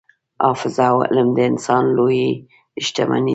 حافظه او علم د انسان لویې شتمنۍ دي.